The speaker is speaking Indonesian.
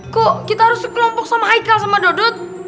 kok kita harus dikelompok sama haikal sama dodot